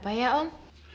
ada apa ya om